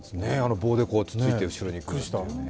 棒で突ついて後ろにという。